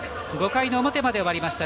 ５回の表まで終わりました。